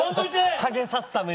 ハゲさすために。